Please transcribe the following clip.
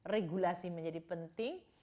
regulasi menjadi penting